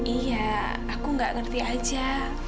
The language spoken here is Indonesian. iya aku nggak ngerti aja